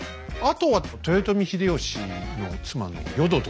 あとは豊臣秀吉の妻の淀殿。